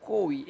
itu tidak ada